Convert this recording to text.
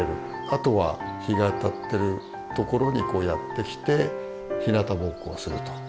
あとは日が当たってる所にやって来てひなたぼっこをすると。